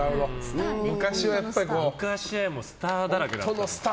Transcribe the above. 昔はスターだらけだったから。